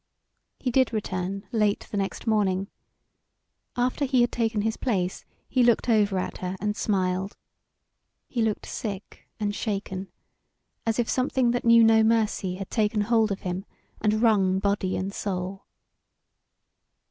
He did return late the next morning. After he had taken his place he looked over at her and smiled. He looked sick and shaken as if something that knew no mercy had taken hold of him and wrung body and soul.